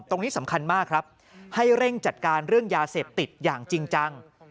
ตรงนี้สำคัญมากครับให้เร่งจัดการเรื่องยาเสพติดอย่างจริงจัง